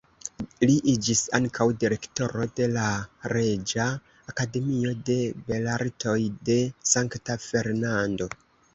Li iĝis ankaŭ direktoro de la Reĝa Akademio de Belartoj de Sankta Fernando.